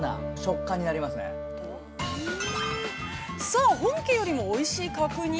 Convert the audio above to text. ◆さあ、本家よりもおいしい角煮？